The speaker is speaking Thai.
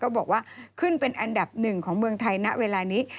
บอกว่าขึ้นเป็นอันดับหนึ่งของเมืองไทยณเวลานี้